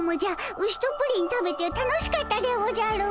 ウシとプリン食べて楽しかったでおじゃる。